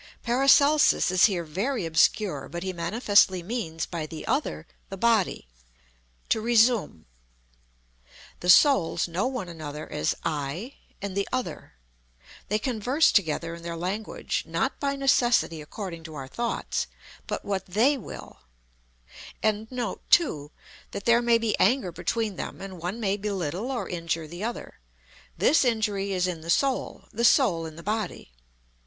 PARACELSUS is here very obscure, but he manifestly means by "the other," the Body. To resume: "The Souls know one another as 'I,' and 'the other.' They converse together in their language, not by necessity according to our thoughts, but what they will. And note, too, that there may be anger between them, and one may belittle or injure the other; this injury is in the Soul, the Soul in the body.